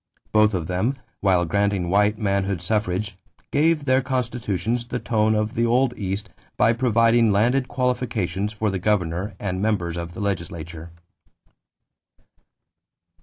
Both of them, while granting white manhood suffrage, gave their constitutions the tone of the old East by providing landed qualifications for the governor and members of the legislature.